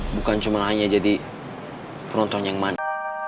bukan cuma hanya jadi penonton yang mana